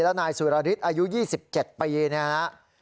และนายสุรริสตร์อายุ๒๗ปีนี้นะฮะ